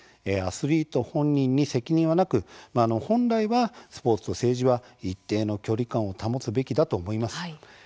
アスリート本人に責任はなく本来はスポーツと政治は、一定の距離感を保つべきだと思います。